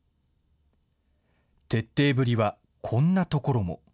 徹底ぶりはこんなところも。